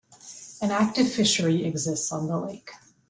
An active fishery exists on the lake.